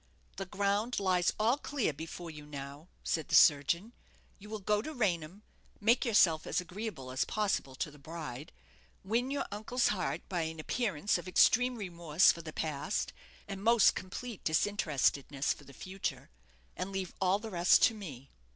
"The ground lies all clear before you now," said the surgeon: "you will go to Raynham, make yourself as agreeable as possible to the bride, win your uncle's heart by an appearance of extreme remorse for the past, and most complete disinterestedness for the future, and leave all the rest to me."